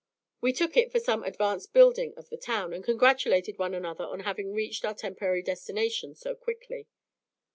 We took it for some advanced building of the town, and congratulated one another on having reached our temporary destination so quickly.